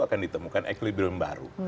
akan ditemukan ekilibrium baru